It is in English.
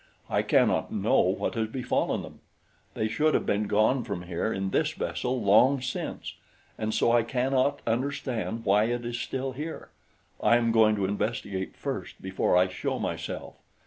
"I cannot know what has befallen them. They should have been gone from here in this vessel long since, and so I cannot understand why it is still here. I am going to investigate first before I show myself.